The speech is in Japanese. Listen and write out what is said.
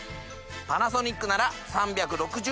パナソニックなら３６０°